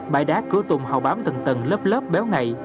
bãi đá cửa tùng hầu bám tầng tầng lớp lớp béo ngậy